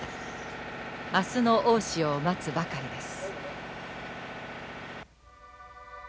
明日の大潮を待つばかりです。